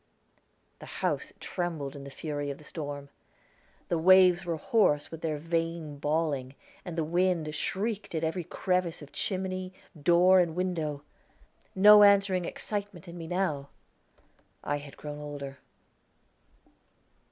'" The house trembled in the fury of the storm. The waves were hoarse with their vain bawling, and the wind shrieked at every crevice of chimney, door, and window. No answering excitement in me now! I had grown older.